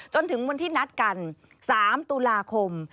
จนถึงวันที่นัดกัน๓ตุลาคม